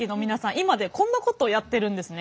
今ではこんなことやっているんですね。